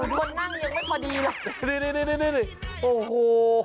คนนั่งยังไม่พอดีหรอกนี่ที่นี่นี่โอ้โห